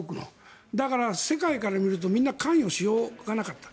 だから、世界から見るとみんな関与しようがなかった。